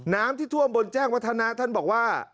น้ำที่ท่วมบนแจ้งวัฒนะท่านบอกว่า